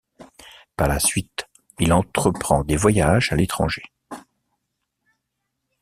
Par la suite, il entreprend des voyages à l'étranger.